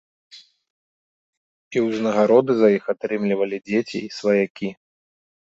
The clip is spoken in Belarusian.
І ўзнагароды за іх атрымлівалі дзеці і сваякі.